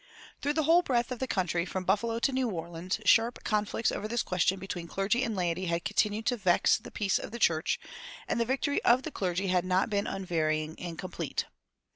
Through the whole breadth of the country, from Buffalo to New Orleans, sharp conflicts over this question between clergy and laity had continued to vex the peace of the church, and the victory of the clergy had not been unvarying and complete.